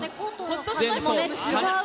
ほっとしますね、なんか。